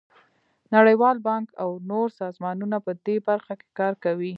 نړیوال بانک او نور سازمانونه په دې برخه کې کار کوي.